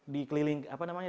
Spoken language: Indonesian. di keliling apa namanya